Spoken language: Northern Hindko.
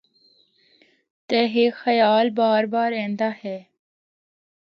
تے ہک خیال بار بار ایندا ہے۔